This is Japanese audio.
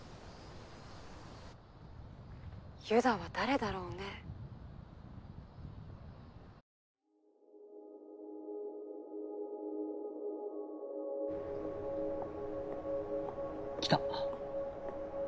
ユダは誰だろうね。来た。